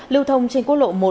lưu thông trên quốc lộ một